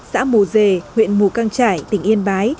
xã mù dê huyện mù căng trải tỉnh yên bái